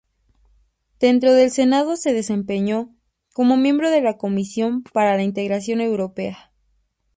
Dentro del Senado se desempeñó como miembro de la Comisión para la Integración Europea.